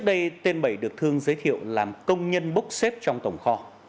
đây tên bảy được thương giới thiệu làm công nhân bốc xếp trong tổng kho